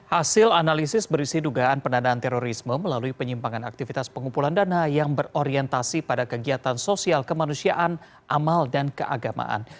hasil analisis berisi dugaan pendanaan terorisme melalui penyimpangan aktivitas pengumpulan dana yang berorientasi pada kegiatan sosial kemanusiaan amal dan keagamaan